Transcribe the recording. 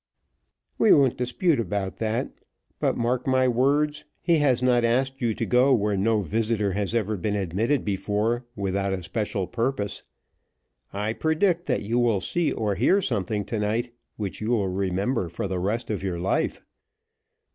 "We won't dispute about that; but mark my words, he has not asked you to go where no visitor has ever been admitted before without a special purpose. I predict that you will see or hear something to night which you will remember for the rest of your life."